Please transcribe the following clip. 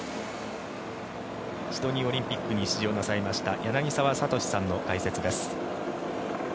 シドニーオリンピックに出場なさいました柳澤哲さんの解説です。